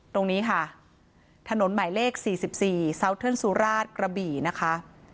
ตรงนี้ค่ะถนนหมายเลข๔๔ซาวเทิร์นสุราชกระบี่นะคะ